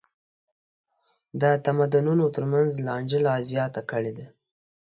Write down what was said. د تمدنونو تر منځ لانجه لا زیاته کړې ده.